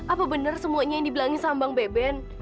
apa benar semuanya yang dibilangin sama bang beben